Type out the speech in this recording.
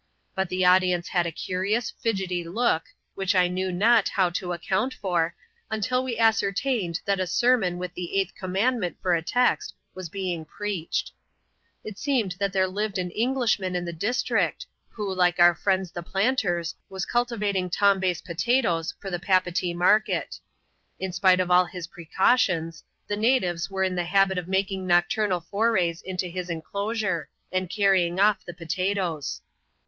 But the audience had a curious, fidgety look, which I knew not how to account for, until we ascertained that a sermon with the eighth commandment for a text was being preached. It seemed that there lived an Englishman in the district, who, Hke our friends, the planters, was cultivating Tombez potatoes ibr the Papeetee market. In spite of all his precautions, the natives were in the habit of making nocturnal forays into his inclosure, and carrying oft the potatoes.